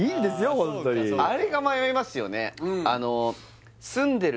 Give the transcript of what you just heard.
ホントにあれが迷いますよね